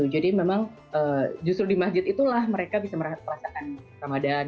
jadi memang justru di masjid itulah mereka bisa merasakan ramadhan